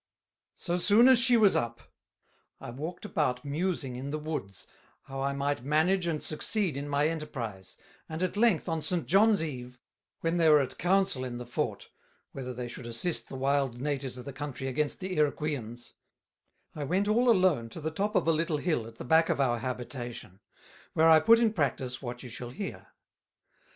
So soon as she was up, I walked about musing in the Woods, how I might manage and succeed in my Enterprise; and at length on St. John's Eve, when they were at Council in the Fort, whether they should assist the Wild Natives of the Country against the Iroqueans; I went all alone to the top of a little Hill at the back of our Habitation, where I put in Practice what you shall hear.